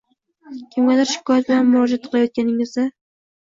Kimgadir shikoyat bilan murojaat qilayotganingizda